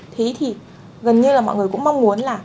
thế thì gần như là mọi người cũng mong muốn là